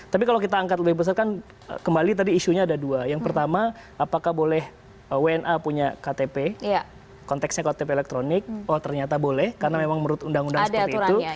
tapi kalau kita angkat lebih besar kan kembali tadi isunya ada dua yang pertama apakah boleh wna punya ktp konteksnya ktp elektronik oh ternyata boleh karena memang menurut undang undang seperti itu